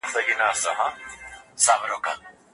خو خپله ژبه مه هېروئ.